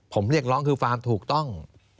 ผมเรียกร้องคือความถูกต้อง